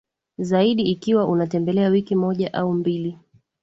zaidi ikiwa unatembelea wiki moja au mbili tu